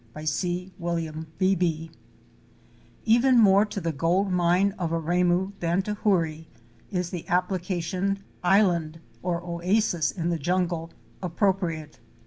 (By C. William Beebe.) VEN more to the Gold Mine of Aremu than to Hoorie is the application "' island "' or ''oasis " in the jungle, appro priate.